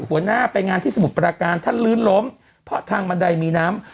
หัวหน้าไปงานที่สมุทรปราการท่านลื่นล้มเพราะทางบันไดมีน้ำ